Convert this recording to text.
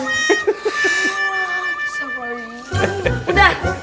wah kisah banget ini